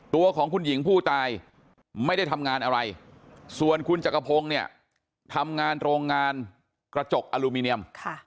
ตัวของคุณหญิงผู้ตายไม่ได้ทำงานอะไรส่วนคุณจักรพงศ์เนี่ยทำงานโรงงานกระจกอลูมิเนียม